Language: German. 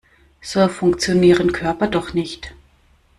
So funktionieren Körper doch nicht.